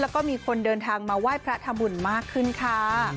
แล้วก็มีคนเดินทางมาไหว้พระทำบุญมากขึ้นค่ะ